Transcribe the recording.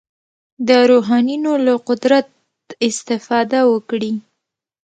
د روحانیونو له قدرت استفاده وکړي.